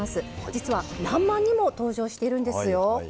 実は「らんまん」にも登場してるんですよ。